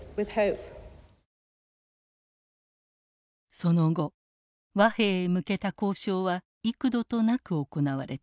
その後和平へ向けた交渉は幾度となく行われた。